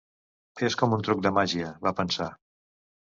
"És com un truc de màgia", va pensar.